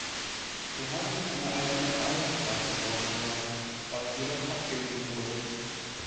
Wir haben eine allgemeine Aussprache vorgeschlagen, was jedoch abgelehnt wurde.